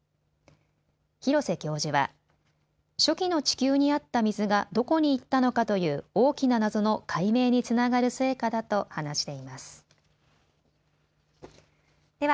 廣瀬教授は初期の地球にあった水がどこにいったのかという大きな謎の解明につながる成果だと話しています。